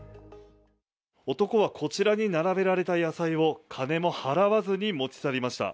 男はこちらに並べられた野菜を金も払わずに持ち去りました。